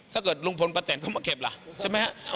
ถ้าเกิดลุงพลป้าแตนเข้ามาเก็บล่ะใช่ไหมฮะ